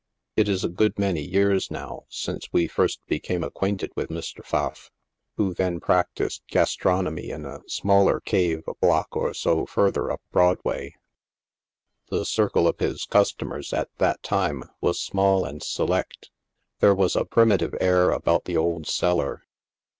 It is a good many years, now, since we first became acquainted with Mr. Pfaff, who then practiced gastron omy in a smaller cave, a block or so further up Broadway. The circle of his customers, at that time, was small and select. There was a primitive air about the old cellar.